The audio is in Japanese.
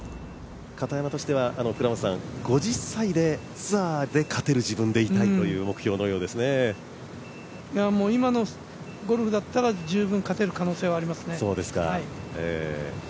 片山としては、５０歳でツアーで勝てる自分でいたいという今のゴルフだったら十分勝てる可能性はありますね。